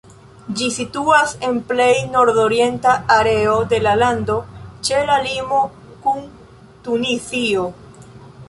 Ĝi situas en plej nordorienta areo de la lando, ĉe la limo kun Tunizio.